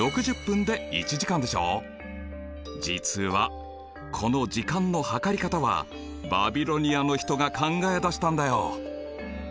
実はこの時間の計り方はバビロニアの人が考え出したんだよ。